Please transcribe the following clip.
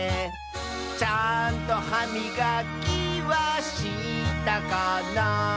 「ちゃんとはみがきはしたかな」